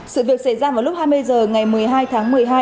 sự việc xảy ra vào lúc hai mươi h ngày một mươi hai tháng một mươi hai